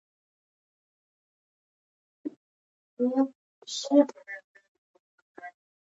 باید له فرد څخه په سخت حالت کې ملاتړ وشي.